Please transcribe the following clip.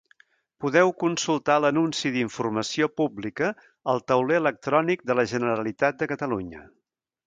Podeu consultar l'anunci d'informació pública al Tauler electrònic de la Generalitat de Catalunya.